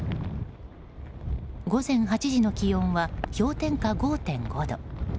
午前８時の気温は氷点下５．５度。